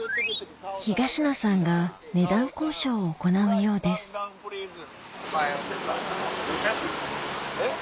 東野さんが値段交渉を行うようですえっ？